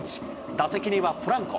打席にはポランコ。